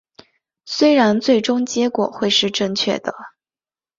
虽然最终结果会是正确的